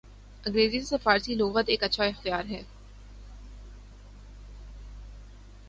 انگریزی سے فارسی لغت ایک اچھا اختیار ہے۔